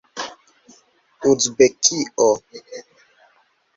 uzbekio